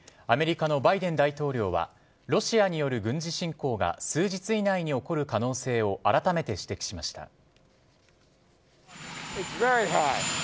アメリカのバイデン大統領はロシアによる軍事侵攻が数日以内に起こる可能性をあらためて指摘しました。